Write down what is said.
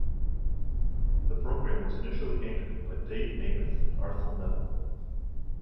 The program was initially anchored by Dave Nemeth and Arthel Neville.